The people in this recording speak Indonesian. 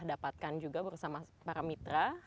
dapatkan juga bersama para mitra